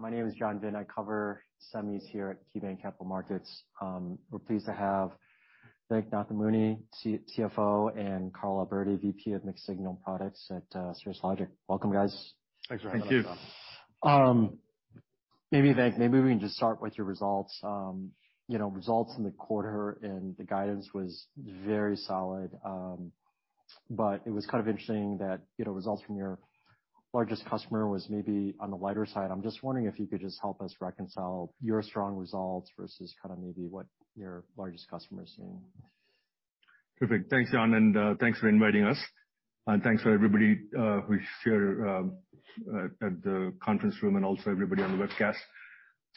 My name is John Vinh. I cover semis here at KeyBanc Capital Markets. We're pleased to have Venk Nathamuni, CFO, and Carl Alberty, VP of Mixed-Signal Products at Cirrus Logic. Welcome, guys. Thanks for having us, John. Thank you. Maybe, Venk, maybe we can just start with your results. You know, results in the quarter, and the guidance was very solid. It was kind of interesting that, you know, results from your largest customer was maybe on the lighter side. I'm just wondering if you could just help us reconcile your strong results versus kind of maybe what your largest customer is seeing. Perfect. Thanks, John, thanks for inviting us. Thanks for everybody who's here at the conference room and also everybody on the webcast.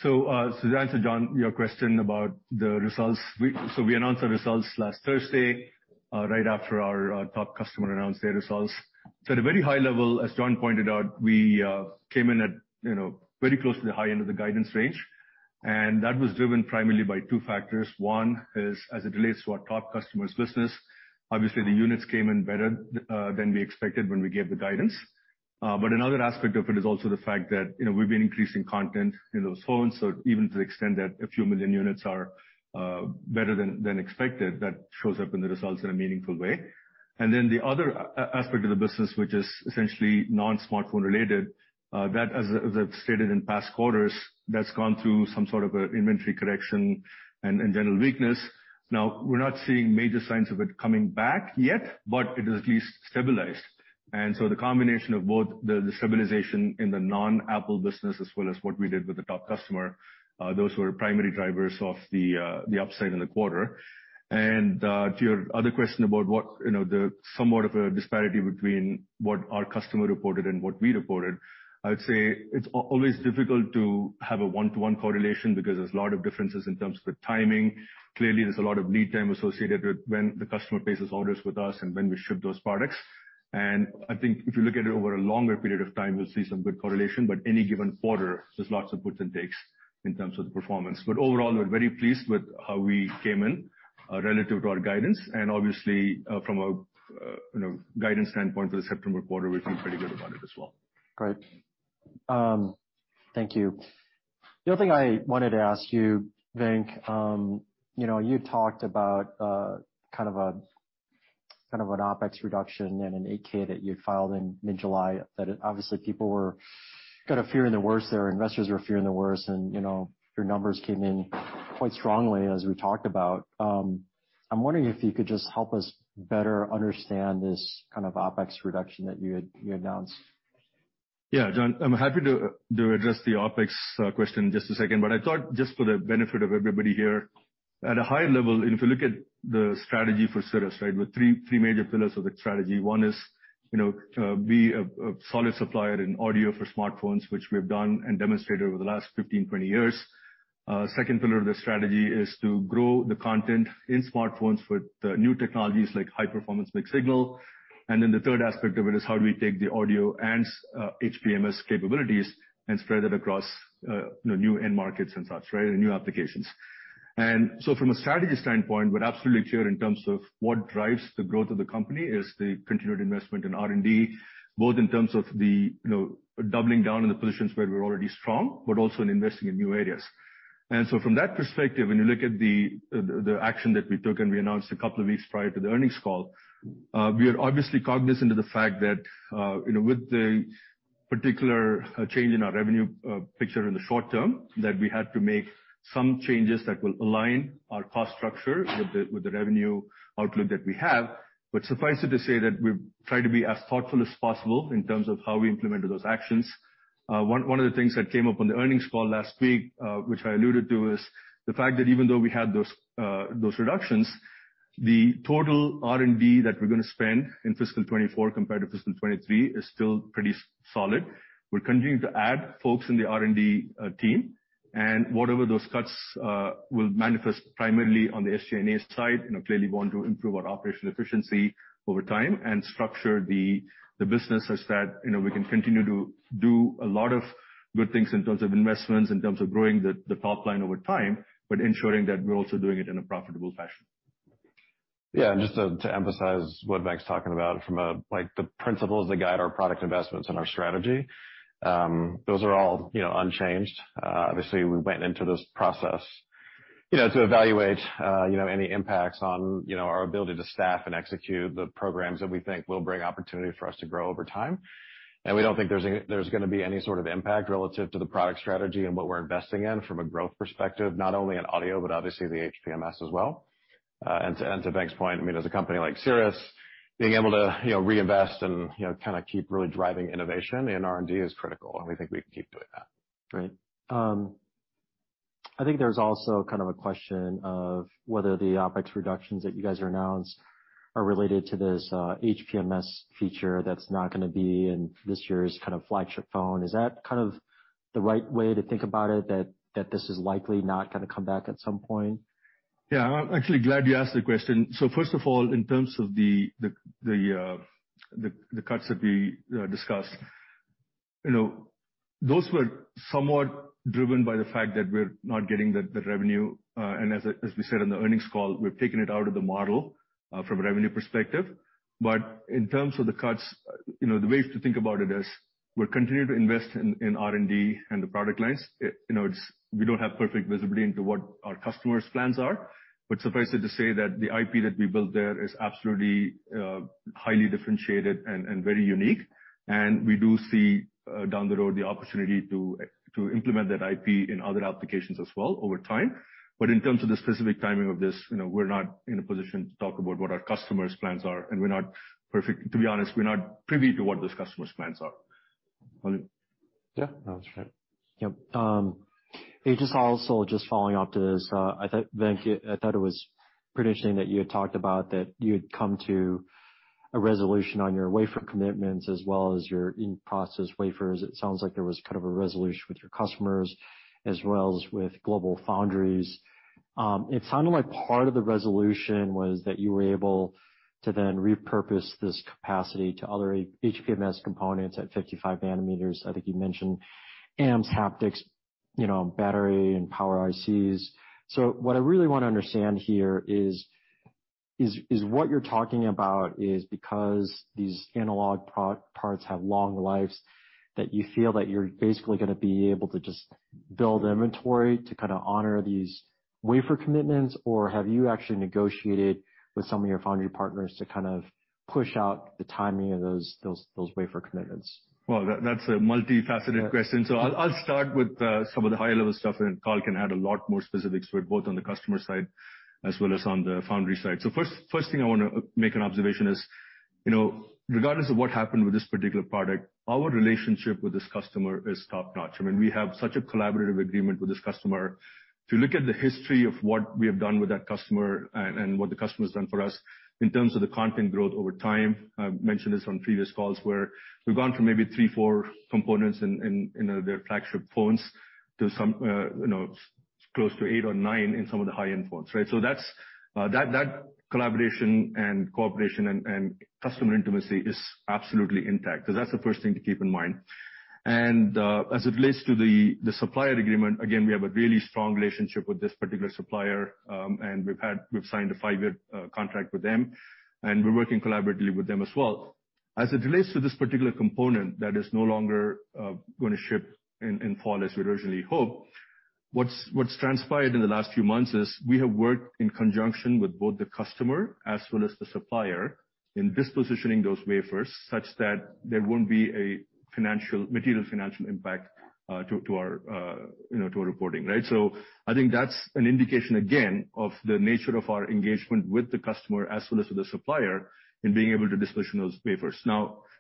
To answer, John, your question about the results, we announced our results last Thursday, right after our top customer announced their results. At a very high level, as John pointed out, we came in at, you know, very close to the high end of the guidance range, and that was driven primarily by two factors. One is, as it relates to our top customer's business, obviously, the units came in better than we expected when we gave the guidance. Another aspect of it is also the fact that, you know, we've been increasing content in those phones, so even to the extent that a few million units are better than expected, that shows up in the results in a meaningful way. The other aspect of the business, which is essentially non-smartphone related, that, as I've stated in past quarters, that's gone through some sort of an inventory correction and general weakness. We're not seeing major signs of it coming back yet, it is at least stabilized. The combination of both the stabilization in the non-Apple business, as well as what we did with the top customer, those were primary drivers of the upside in the quarter. To your other question about what, you know, the somewhat of a disparity between what our customer reported and what we reported, I would say it's always difficult to have a one-to-one correlation because there's a lot of differences in terms of the timing. Clearly, there's a lot of lead time associated with when the customer places orders with us and when we ship those products. I think if you look at it over a longer period of time, you'll see some good correlation, but any given quarter, there's lots of puts and takes in terms of the performance. Overall, we're very pleased with how we came in relative to our guidance, and obviously, from a, you know, guidance standpoint for the September quarter, we feel pretty good about it as well. Great. Thank you. The other thing I wanted to ask you, Venk, you know, you talked about, kind of a, kind of an OpEx reduction in an 8-K that you'd filed in mid-July, that obviously people were kind of fearing the worst there, investors were fearing the worst, and, you know, your numbers came in quite strongly, as we talked about. I'm wondering if you could just help us better understand this kind of OpEx reduction that you had, you announced? Yeah, John, I'm happy to, to address the OpEx question in just a second, but I thought, just for the benefit of everybody here, at a high level, and if you look at the strategy for Cirrus, right, with 3 major pillars of the strategy, one is, you know, be a solid supplier in audio for smartphones, which we have done and demonstrated over the last 15, 20 years. Second pillar of the strategy is to grow the content in smartphones with new technologies like high-performance mixed-signal. Then the third aspect of it is how do we take the audio and HPMS capabilities and spread it across, you know, new end markets and such, right, and new applications. From a strategy standpoint, we're absolutely clear in terms of what drives the growth of the company, is the continued investment in R&D, both in terms of the, you know, doubling down in the positions where we're already strong, but also in investing in new areas. From that perspective, when you look at the, the, the action that we took, and we announced a couple of weeks prior to the earnings call, we are obviously cognizant of the fact that, you know, with the particular change in our revenue picture in the short term, that we had to make some changes that will align our cost structure with the, with the revenue outlook that we have. Suffice it to say that we've tried to be as thoughtful as possible in terms of how we implemented those actions. One, one of the things that came up on the earnings call last week, which I alluded to, is the fact that even though we had those, those reductions, the total R&D that we're going to spend in fiscal twenty-four compared to fiscal twenty-three is still pretty solid. Whatever those cuts will manifest primarily on the SG&A side, you know, clearly we want to improve our operational efficiency over time and structure the, the business such that, you know, we can continue to do a lot of good things in terms of investments, in terms of growing the, the top line over time, but ensuring that we're also doing it in a profitable fashion. Yeah, just to, to emphasize what Venk's talking about from a like, the principles that guide our product investments and our strategy, those are all, you know, unchanged. Obviously, we went into this process, you know, to evaluate, you know, any impacts on, you know, our ability to staff and execute the programs that we think will bring opportunity for us to grow over time. We don't think there's, there's gonna be any sort of impact relative to the product strategy and what we're investing in from a growth perspective, not only in audio, but obviously the HPMS as well. To, and to Venk's point, I mean, as a company like Cirrus, being able to, you know, reinvest and, you know, kind of keep really driving innovation in R&D is critical, and we think we can keep doing that. Great. I think there's also kind of a question of whether the OpEx reductions that you guys announced are related to this HPMS feature that's not gonna be in this year's kind of flagship phone. Is that kind of the right way to think about it, that, that this is likely not gonna come back at some point? Yeah, I'm actually glad you asked the question. First of all, in terms of the, the, the, the, the cuts that we discussed, you know, those were somewhat driven by the fact that we're not getting the revenue, and as we said on the earnings call, we've taken it out of the model from a revenue perspective. In terms of the cuts. You know, the way to think about it is, we're continuing to invest in R&D and the product lines. We don't have perfect visibility into what our customers' plans are, but suffice it to say that the IP that we built there is absolutely highly differentiated and very unique. We do see down the road, the opportunity to implement that IP in other applications as well over time. In terms of the specific timing of this, you know, we're not in a position to talk about what our customers' plans are, and to be honest, we're not privy to what those customers' plans are. Paulie? Yeah, that's right. Yep, just also just following up to this, I thought, Venk, I thought it was pretty interesting that you had talked about that you had come to a resolution on your wafer commitments as well as your in-process wafers. It sounds like there was kind of a resolution with your customers as well as with GlobalFoundries. It sounded like part of the resolution was that you were able to then repurpose this capacity to other HPMS components at 55 nm. I think you mentioned amps, haptics, you know, battery and power ICs. What I really want to understand here is, is, is what you're talking about is because these analog process parts have long lives, that you feel that you're basically gonna be able to just build inventory to kind of honor these wafer commitments? have you actually negotiated with some of your foundry partners to kind of push out the timing of those wafer commitments? Well, that's a multifaceted question. Yeah. I'll, I'll start with some of the higher-level stuff, and Carl can add a lot more specifics with both on the customer side as well as on the foundry side. First, first thing I wanna make an observation is, you know, regardless of what happened with this particular product, our relationship with this customer is top-notch. I mean, we have such a collaborative agreement with this customer. If you look at the history of what we have done with that customer and, what the customer has done for us in terms of the content growth over time, I've mentioned this on previous calls, where we've gone from maybe 3, 4 components in, you know, their flagship phones to some, you know, close to 8 or 9 in some of the high-end phones, right? That's that, that collaboration and cooperation and, and customer intimacy is absolutely intact, 'cause that's the first thing to keep in mind. As it relates to the, the supplier agreement, again, we have a really strong relationship with this particular supplier, and we've signed a five-year contract with them, and we're working collaboratively with them as well. As it relates to this particular component that is no longer gonna ship in, in fall, as we originally hoped, what's, what's transpired in the last few months is we have worked in conjunction with both the customer as well as the supplier in dispositioning those wafers such that there won't be a material financial impact to, to our, you know, to our reporting, right? I think that's an indication, again, of the nature of our engagement with the customer as well as with the supplier in being able to disposition those wafers.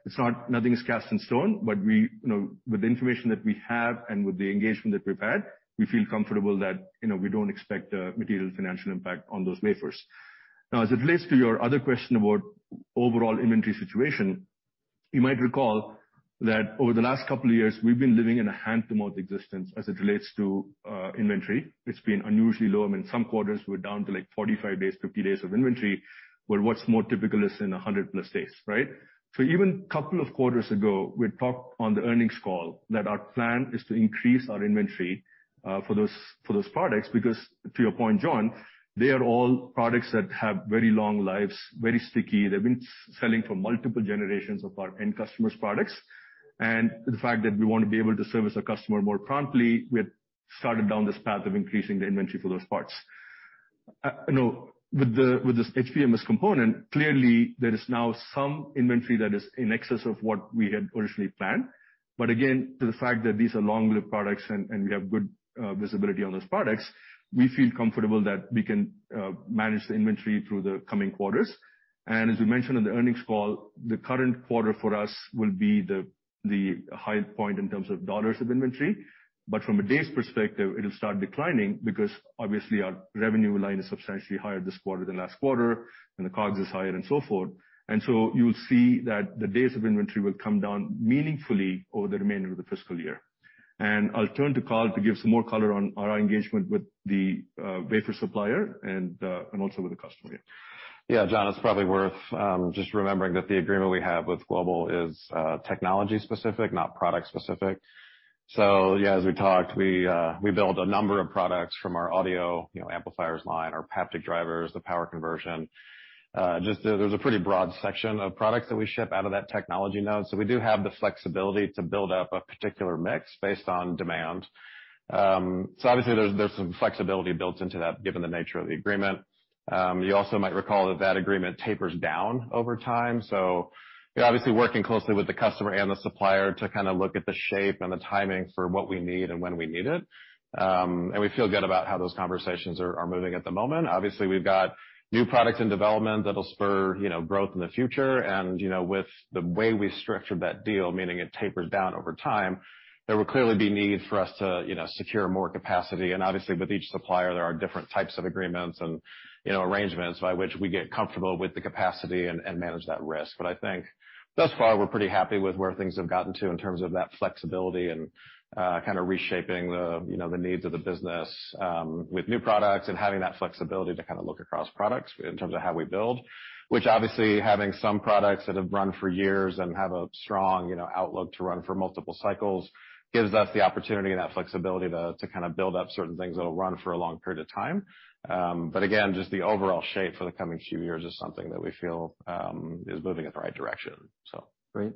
It's not. Nothing is cast in stone. We... You know, with the information that we have and with the engagement that we've had, we feel comfortable that, you know, we don't expect a material financial impact on those wafers. As it relates to your other question about overall inventory situation, you might recall that over the last couple of years, we've been living in a hand-to-mouth existence as it relates to inventory. It's been unusually low. I mean, some quarters, we're down to, like, 45 days, 50 days of inventory, where what's more typical is in a 100-plus days, right? Even a couple of quarters ago, we talked on the earnings call that our plan is to increase our inventory for those, for those products, because to your point, John, they are all products that have very long lives, very sticky. They've been selling for multiple generations of our end customers' products. The fact that we want to be able to service our customer more promptly, we have started down this path of increasing the inventory for those parts. You know, with the, with this HPMS component, clearly there is now some inventory that is in excess of what we had originally planned. Again, to the fact that these are long-lived products and, and we have good visibility on those products, we feel comfortable that we can manage the inventory through the coming quarters. As we mentioned in the earnings call, the current quarter for us will be the high point in terms of dollars of inventory. From a days perspective, it'll start declining because obviously our revenue line is substantially higher this quarter than last quarter, and the COGS is higher and so forth. You'll see that the days of inventory will come down meaningfully over the remainder of the fiscal year. I'll turn to Carl to give some more color on our engagement with the wafer supplier and also with the customer. Yeah, John, it's probably worth just remembering that the agreement we have with Global is technology specific, not product specific. Yeah, as we talked, we build a number of products from our audio, you know, amplifiers line, our haptic drivers, the power conversion. Just there's a pretty broad section of products that we ship out of that technology node, so we do have the flexibility to build up a particular mix based on demand. Obviously, there's, there's some flexibility built into that, given the nature of the agreement. You also might recall that that agreement tapers down over time. We're obviously working closely with the customer and the supplier to kind of look at the shape and the timing for what we need and when we need it. We feel good about how those conversations are, are moving at the moment. Obviously, we've got new products in development that'll spur, you know, growth in the future. You know, with the way we structured that deal, meaning it tapers down over time, there will clearly be need for us to, you know, secure more capacity. Obviously, with each supplier, there are different types of agreements and, you know, arrangements by which we get comfortable with the capacity and, and manage that risk. I think thus far, we're pretty happy with where things have gotten to in terms of that flexibility and, kind of reshaping the, you know, the needs of the business, with new products and having that flexibility to kind of look across products in terms of how we build. Obviously, having some products that have run for years and have a strong, you know, outlook to run for multiple cycles, gives us the opportunity and that flexibility to, to kind of build up certain things that will run for a long period of time. Again, just the overall shape for the coming few years is something that we feel, is moving in the right direction. Great....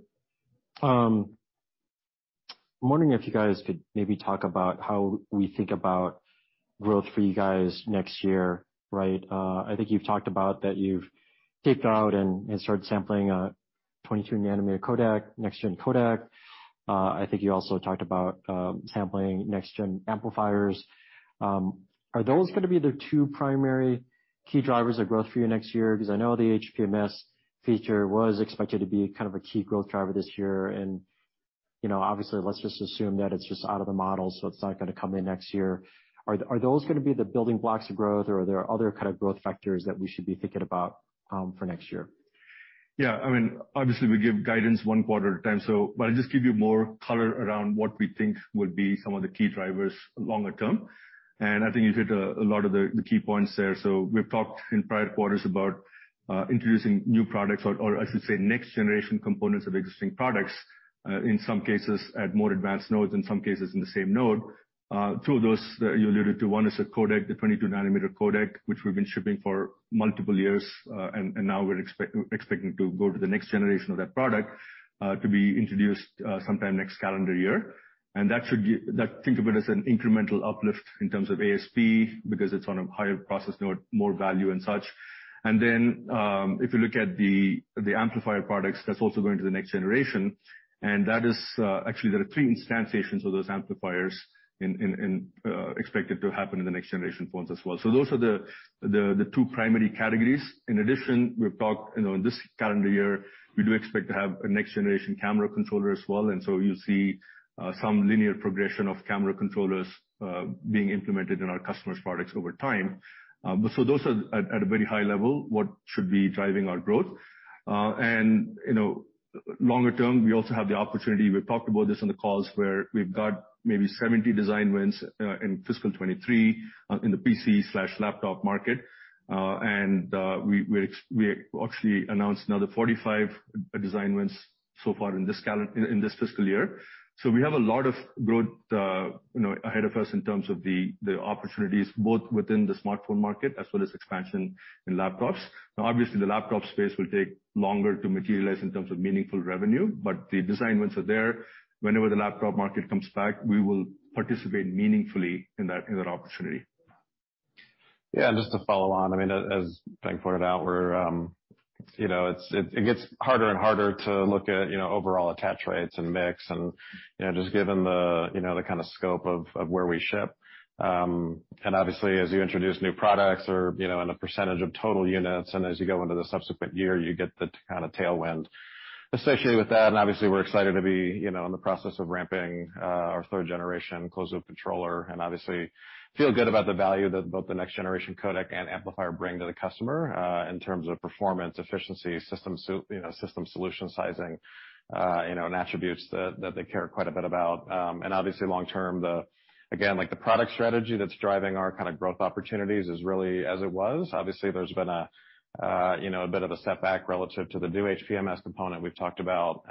I'm wondering if you guys could maybe talk about how we think about growth for you guys next year, right? I think you've talked about that you've kicked out and, and started sampling a 22 nm codec, next-gen codec. I think you also talked about sampling next-gen amplifiers. Are those gonna be the two primary key drivers of growth for you next year? Because I know the HPMS feature was expected to be kind of a key growth driver this year, and, you know, obviously, let's just assume that it's just out of the model, so it's not gonna come in next year. Are, are those gonna be the building blocks of growth, or are there other kind of growth factors that we should be thinking about, for next year? Yeah. I mean, obviously, we give guidance 1 quarter at a time, but I'll just give you more color around what we think would be some of the key drivers longer term. I think you hit a lot of the key points there. We've talked in prior quarters about introducing new products or I should say, next generation components of existing products, in some cases, at more advanced nodes, in some cases, in the same node. Two of those that you alluded to, one is a codec, the 22 nm codec, which we've been shipping for multiple years, and now we're expecting to go to the next generation of that product, to be introduced sometime next calendar year. Think of it as an incremental uplift in terms of ASP, because it's on a higher process node, more value and such. Then, if you look at the, the amplifier products, that's also going to the next generation, and that is, actually, there are 3 instantiations of those amplifiers expected to happen in the next generation phones as well. Those are the, the, the 2 primary categories. In addition, we've talked, you know, in this calendar year, we do expect to have a next-generation camera controller as well, and so you'll see some linear progression of camera controllers being implemented in our customers' products over time. Those are at, at a very high level, what should be driving our growth. You know, longer term, we also have the opportunity, we've talked about this on the calls where we've got maybe 70 design wins in fiscal 2023 in the PC/laptop market. We actually announced another 45 design wins so far in this fiscal year. We have a lot of growth, you know, ahead of us in terms of the opportunities, both within the smartphone market as well as expansion in laptops. Obviously, the laptop space will take longer to materialize in terms of meaningful revenue, but the design wins are there. Whenever the laptop market comes back, we will participate meaningfully in that, in that opportunity. Yeah, and just to follow on, I mean, as Venk pointed out, we're, you know, it's, it gets harder and harder to look at, you know, overall attach rates and mix and, you know, just given the, you know, the kind of scope of where we ship. Obviously, as you introduce new products or, you know, in a % of total units, and as you go into the subsequent year, you get the kind of tailwind associated with that. Obviously, we're excited to be, you know, in the process of ramping, our third generation closed-loop controller, and obviously feel good about the value that both the next generation codec and amplifier bring to the customer, in terms of performance, efficiency, system solution sizing, and attributes that they care quite a bit about. Obviously, long term, the... Again, like, the product strategy that's driving our kind of growth opportunities is really as it was. Obviously, there's been a, you know, a bit of a setback relative to the new HPMS component we've talked about.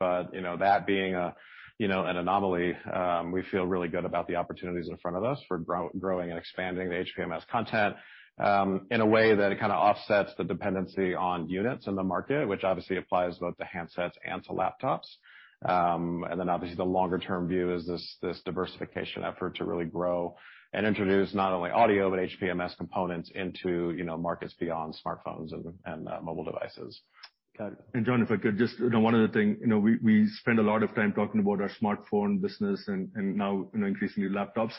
That being a, you know, an anomaly, we feel really good about the opportunities in front of us for growing and expanding the HPMS content, in a way that it kind of offsets the dependency on units in the market, which obviously applies both to handsets and to laptops. Then, obviously, the longer-term view is this, this diversification effort to really grow and introduce not only audio, but HPMS components into, you know, markets beyond smartphones and mobile devices. Got it. John, if I could just, you know, one other thing. You know, we, we spend a lot of time talking about our smartphone business and, and now, you know, increasingly laptops.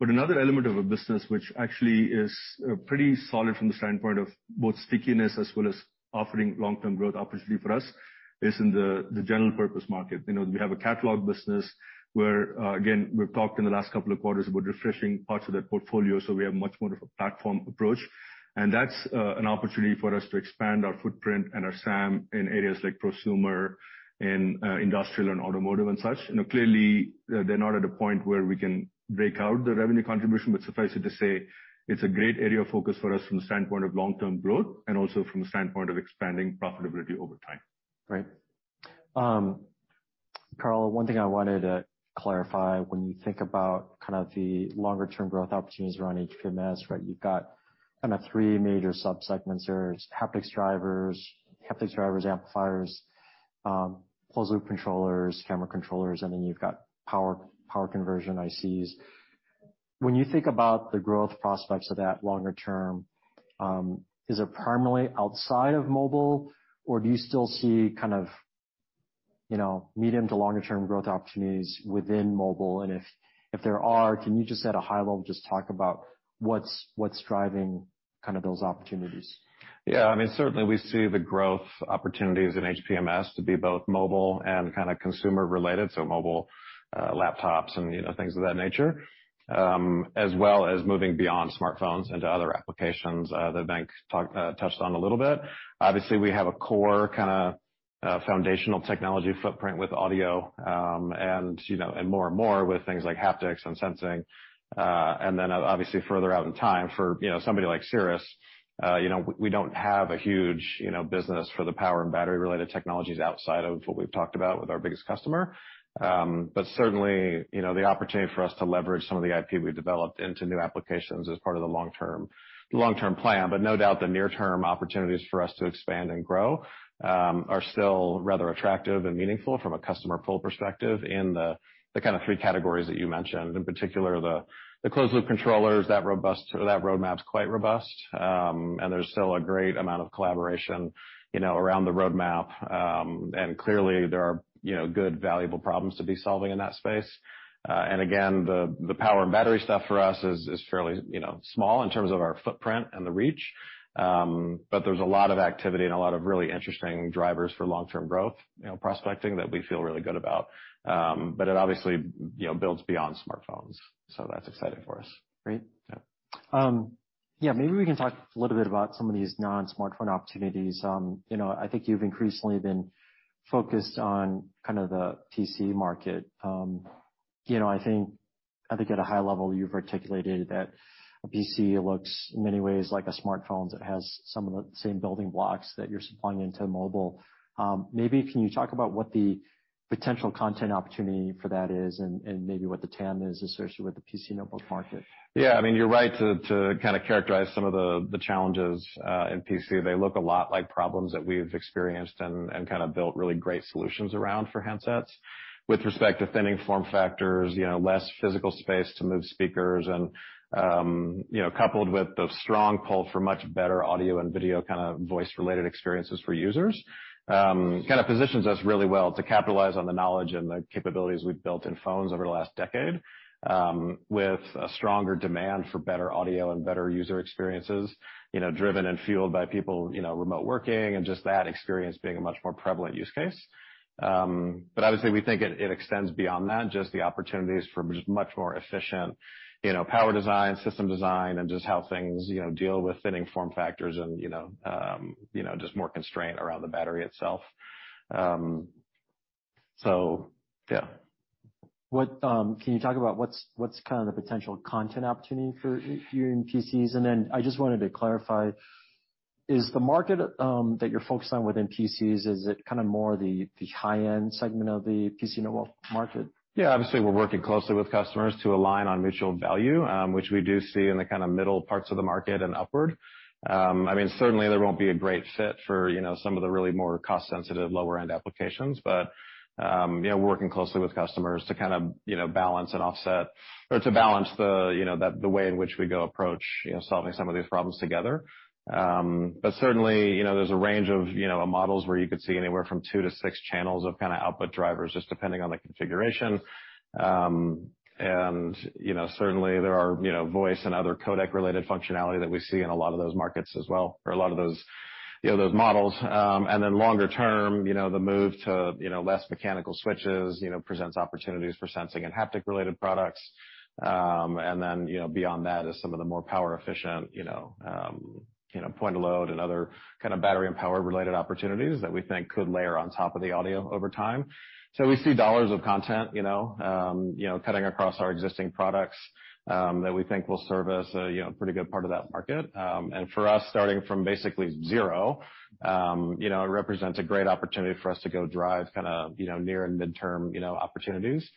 Another element of our business, which actually is pretty solid from the standpoint of both stickiness as well as offering long-term growth opportunity for us, is in the general purpose market. You know, we have a catalog business where, again, we've talked in the last couple of quarters about refreshing parts of that portfolio, so we have much more of a platform approach. That's an opportunity for us to expand our footprint and our SAM in areas like prosumer and industrial and automotive and such. You know, clearly, they're not at a point where we can break out the revenue contribution, but suffice it to say, it's a great area of focus for us from the standpoint of long-term growth, and also from the standpoint of expanding profitability over time. Right. Carl, one thing I wanted to clarify, when you think about kind of the longer term growth opportunities around HPMS, right? You've got kind of three major subsegments. There's haptics drivers, haptics drivers, amplifiers, closed-loop controllers, camera controllers, and then you've got Power, power conversion ICs. When you think about the growth prospects of that longer term, is it primarily outside of mobile, or do you still see kind of, you know, medium to longer term growth opportunities within mobile? If, if there are, can you just, at a high level, just talk about what's, what's driving kind of those opportunities? Yeah. I mean, certainly we see the growth opportunities in HPMS to be both mobile and kind of consumer-related, so mobile, laptops and, you know, things of that nature, as well as moving beyond smartphones into other applications, that Venk talked, touched on a little bit. Obviously, we have a core foundational technology footprint with audio, and, you know, and more and more with things like haptics and sensing. Then, obviously, further out in time for, you know, somebody like Cirrus, you know, we, we don't have a huge, you know, business for the power and battery-related technologies outside of what we've talked about with our biggest customer. Certainly, you know, the opportunity for us to leverage some of the IP we've developed into new applications is part of the long-term, long-term plan. No doubt, the near-term opportunities for us to expand and grow, are still rather attractive and meaningful from a customer pull perspective in the, the kind of three categories that you mentioned. In particular, the, the closed-loop controllers, that roadmap's quite robust. There's still a great amount of collaboration, you know, around the roadmap. Clearly, there are, you know, good, valuable problems to be solving in that space. Again, the, the power and battery stuff for us is, is fairly, you know, small in terms of our footprint and the reach, but there's a lot of activity and a lot of really interesting drivers for long-term growth, you know, prospecting that we feel really good about. It obviously, you know, builds beyond smartphones, so that's exciting for us. Great. Yeah. Yeah, maybe we can talk a little bit about some of these non-smartphone opportunities. You know, I think you've increasingly been focused on kind of the PC market. You know, I think, I think at a high level, you've articulated that a PC looks, in many ways, like a smartphone, that has some of the same building blocks that you're supplying into mobile. Maybe can you talk about what the potential content opportunity for that is, and, and maybe what the TAM is associated with the PC notebook market? Yeah. I mean, you're right to kinda characterize some of the challenges in PC. They look a lot like problems that we've experienced and kinda built really great solutions around for handsets. With respect to thinning form factors, you know, less physical space to move speakers and, you know, coupled with the strong pull for much better audio and video, kinda voice-related experiences for users, kinda positions us really well to capitalize on the knowledge and the capabilities we've built in phones over the last decade, with a stronger demand for better audio and better user experiences, you know, driven and fueled by people, you know, remote working and just that experience being a much more prevalent use case. Obviously, we think it, it extends beyond that, just the opportunities for just much more efficient, you know, power design, system design, and just how things, you know, deal with thinning form factors and, you know, just more constraint around the battery itself. Yeah. What can you talk about what's, what's kind of the potential content opportunity for you in PCs? Then I just wanted to clarify, is the market that you're focused on within PCs, is it kinda more the, the high-end segment of the PC notebook market? Yeah, obviously, we're working closely with customers to align on mutual value, which we do see in the kinda middle parts of the market and upward. I mean, certainly, there won't be a great fit for, you know, some of the really more cost-sensitive, lower-end applications, but, you know, working closely with customers to kind of, you know, balance and offset or to balance the, you know, the, the way in which we go approach, you know, solving some of these problems together. Certainly, you know, there's a range of, you know, models where you could see anywhere from 2 to 6 channels of kinda output drivers, just depending on the configuration. You know, certainly there are, you know, voice and other codec-related functionality that we see in a lot of those markets as well, or a lot of those, you know, those models. Longer term, you know, the move to, you know, less mechanical switches, you know, presents opportunities for sensing and haptic-related products. You know, beyond that is some of the more power-efficient, you know, you know, point to load and other kinda battery and power-related opportunities that we think could layer on top of the audio over time. We see dollars of content, you know, you know, cutting across our existing products, that we think will serve as a, you know, pretty good part of that market. For us, starting from basically zero, you know, it represents a great opportunity for us to go drive kinda, you know, near and midterm, you know, opportunities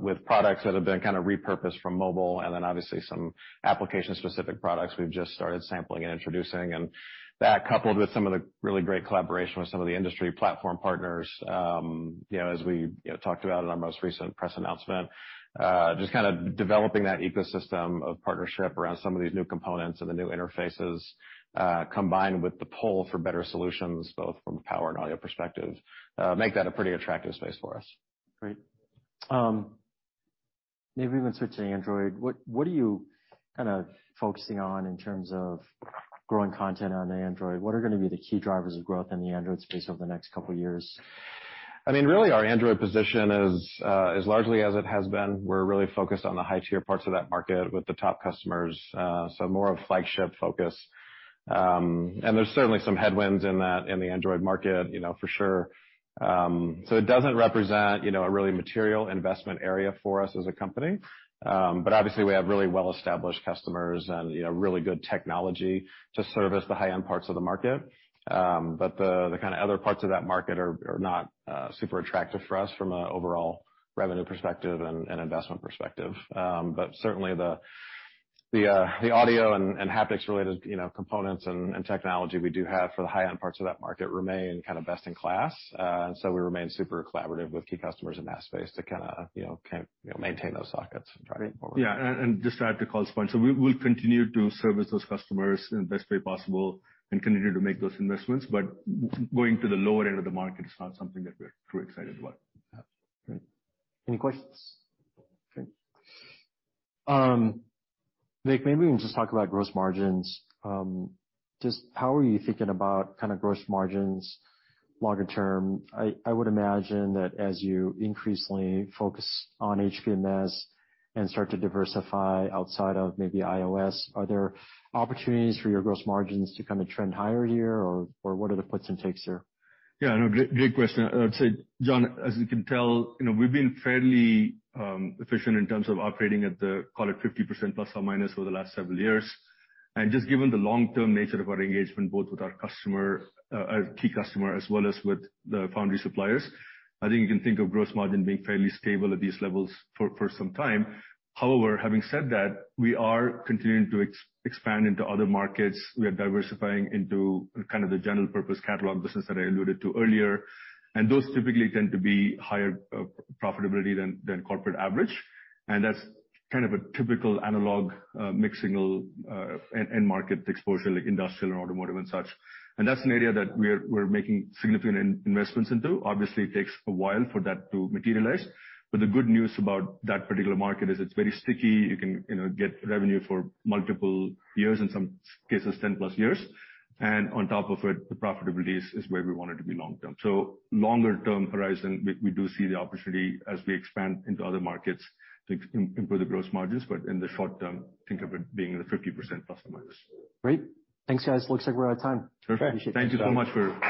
with products that have been kinda repurposed from mobile, and then, obviously, some application-specific products we've just started sampling and introducing. That, coupled with some of the really great collaboration with some of the industry platform partners, you know, as we, you know, talked about in our most recent press announcement, just kinda developing that ecosystem of partnership around some of these new components and the new interfaces, combined with the pull for better solutions, both from a power and audio perspective, make that a pretty attractive space for us. Great. Maybe even switch to Android. What, what are you kind of focusing on in terms of growing content on Android? What are gonna be the key drivers of growth in the Android space over the next couple of years? I mean, really, our Android position is, is largely as it has been. We're really focused on the high-tier parts of that market with the top customers, so more of a flagship focus. There's certainly some headwinds in that, in the Android market, you know, for sure. It doesn't represent, you know, a really material investment area for us as a company. Obviously, we have really well-established customers and, you know, really good technology to service the high-end parts of the market. The, the kinda other parts of that market are, are not, super attractive for us from a overall revenue perspective and, and investment perspective. Certainly, the, the, the audio and, and haptics-related, you know, components and, and technology we do have for the high-end parts of that market remain kinda best in class. We remain super collaborative with key customers in that space to kinda, you know, you know, maintain those sockets and drive it forward. Just to add to Carl's point, we, we'll continue to service those customers in the best way possible and continue to make those investments, but going to the lower end of the market is not something that we're too excited about. Yeah. Great. Any questions? Great. Vik, maybe we can just talk about gross margins. Just how are you thinking about kinda gross margins longer term? I, I would imagine that as you increasingly focus on HPMS and start to diversify outside of maybe iOS, are there opportunities for your gross margins to kinda trend higher here, or, or what are the puts and takes there? Yeah, no, great, great question. I would say, John, as you can tell, you know, we've been fairly efficient in terms of operating at the, call it, 50% ±, over the last several years. Just given the long-term nature of our engagement, both with our customer, key customer, as well as with the foundry suppliers, I think you can think of gross margin being fairly stable at these levels for, for some time. However, having said that, we are continuing to expand into other markets. We are diversifying into kind of the general purpose catalog business that I alluded to earlier, and those typically tend to be higher profitability than, than corporate average. That's kind of a typical analog, mixed-signal end, end market exposure, like industrial and automotive and such. That's an area that we're making significant investments into. Obviously, it takes a while for that to materialize, but the good news about that particular market is it's very sticky. You can, you know, get revenue for multiple years, in some cases, 10+ years. On top of it, the profitability is where we want it to be long term. Longer term horizon, we, we do see the opportunity as we expand into other markets to improve the gross margins, but in the short term, think of it being in the 50%, ±. Great. Thanks, guys. Looks like we're out of time. Perfect. Appreciate it. Thank you so much.